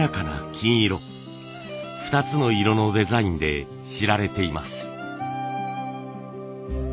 ２つの色のデザインで知られています。